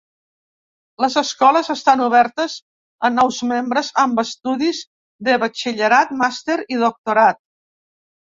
Les escoles estan obertes a nous membres amb estudis de batxillerat, màster i doctorat.